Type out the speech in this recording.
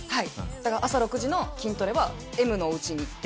だから朝６時の筋トレはＭのおうちに行って。